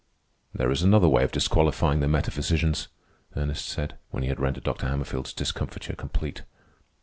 "There is another way of disqualifying the metaphysicians," Ernest said, when he had rendered Dr. Hammerfield's discomfiture complete.